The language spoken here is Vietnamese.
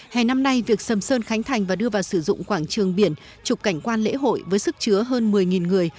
hè năm nay việc sầm sơn khánh thành và đưa vào sử dụng quảng trường biển trục cảnh quan lễ hội với sức chứa hơn một mươi người